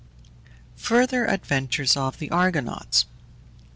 FURTHER ADVENTURES OF THE ARGONAUTS.